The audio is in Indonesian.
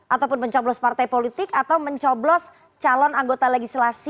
ataupun mencoblos partai politik atau mencoblos calon anggota legislasi